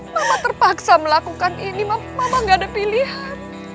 mama terpaksa melakukan ini mama gak ada pilihan